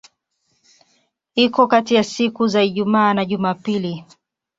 Iko kati ya siku za Ijumaa na Jumapili.